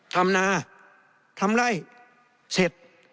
ทำนาทำไล่เสร็จ